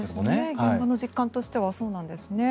現場の実感としてはそうなんですね。